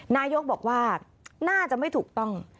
นายกบอกว่าน่าจะไม่ถูกต้อง